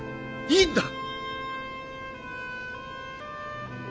いいんだ！